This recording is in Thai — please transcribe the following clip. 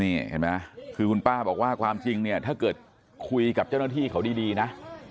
นี่เห็นไหมคือคุณป้าบอกว่าความจริงเนี่ยถ้าเกิดคุยกับเจ้าหน้าที่เขาดีนะ